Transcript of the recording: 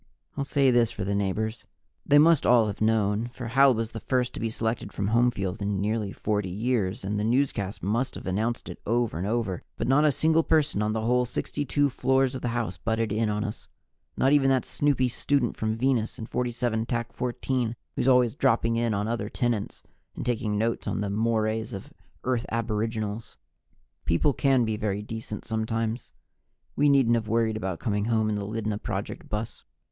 I'll say this for the neighbors they must all have known, for Hal was the first to be selected from Homefield in nearly 40 years, and the newscast must have announced it over and over, but not a single person on the whole 62 floors of the house butted in on us. Not even that snoopy student from Venus in 47 14, who's always dropping in on other tenants and taking notes on "the mores of Earth Aboriginals." People can be very decent sometimes. We needn't have worried about coming home in the Lydna Project bus.